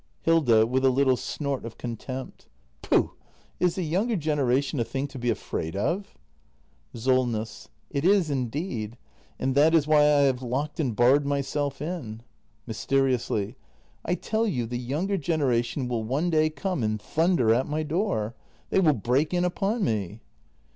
Hilda. [With a little snort of contempt.] Pooh — is the younger generation a thing to be afraid of ? Solness. It is indeed. And that is why I have locked and barred myself in. [Mysteriously.] I tell you the younger gen eration will one day come and thunder at my door! They will break in upon me!